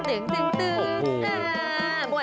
เสียงจึงเตืม